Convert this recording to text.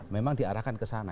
memang diarahkan ke sana